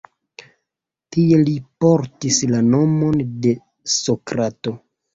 Tie li portis la nomon de Sokrato.